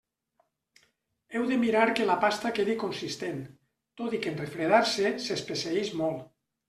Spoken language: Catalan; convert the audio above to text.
Heu de mirar que la pasta quedi consistent, tot i que en refredar-se s'espesseeix molt.